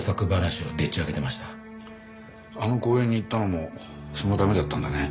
あの公園に行ったのもそのためだったんだね。